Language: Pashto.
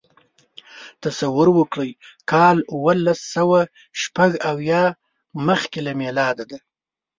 تصور وکړئ کال اوولسسوهشپږاویا مخکې له میلاده دی.